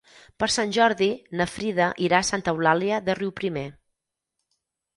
Per Sant Jordi na Frida irà a Santa Eulàlia de Riuprimer.